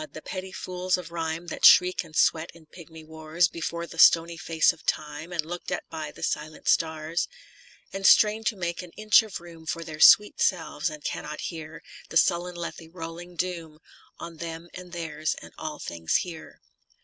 the petty fools of rhyme That shriek and sweat in pigmy wars Before the stony face of Time, And looked at by the silent stars : And strain to make an inch of room For their sweet selves, and cannot hear The suUen Lethe rolling doom On them and theirs and all things here.